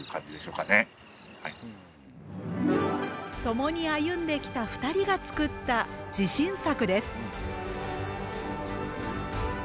共に歩んできた２人が作った自信作です。